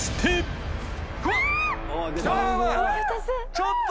ちょっと！